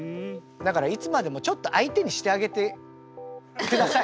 だからいつまでもちょっと相手にしてあげてください。